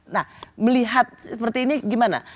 nah melihat seperti ini gimana